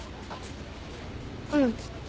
うん。